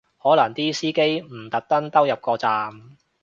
可能啲司機唔特登兜入個站